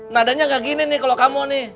nadanya gak gini nih kalau kamu nih